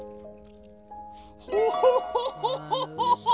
ホホホホホホホ！